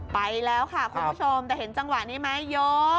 ไปแล้วค่ะคุณผู้ชมแต่เห็นจังหวะนี้ไหมโย